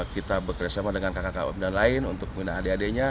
kita bekerjasama dengan kakak kakak dan lain untuk menggunakan adek adeknya